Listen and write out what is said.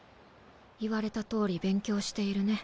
言われた通り勉強しているね